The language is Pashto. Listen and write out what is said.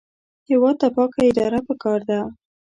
هېواد ته پاکه اداره پکار ده